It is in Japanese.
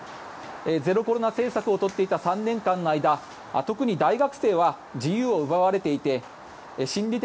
ゼロコロナ政策を取っていた３年間の間特に大学生は自由を奪われていて心理的